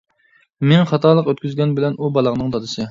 مىڭ خاتالىق ئۆتكۈزگەن بىلەن ئۇ بالاڭنىڭ دادىسى.